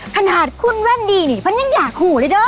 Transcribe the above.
ขนาดคุณแว่นดีนี่ฉันยังอยากขู่เลยเด้อ